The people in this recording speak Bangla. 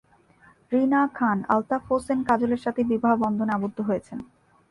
রিনা খান আলতাফ হোসেন কাজলের সাথে বিবাহবন্ধনে আবদ্ধ হয়েছেন।